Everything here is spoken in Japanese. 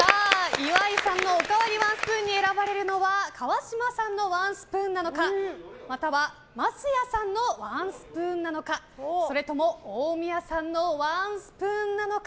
岩井さんのおかわりワンスプーンに選ばれるのは川島さんのワンスプーンなのかまたは、桝谷さんのワンスプーンなのかそれとも大宮さんのワンスプーンなのか。